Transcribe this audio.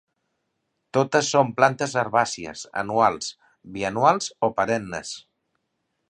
Totes són plantes herbàcies anuals, bianuals o perennes.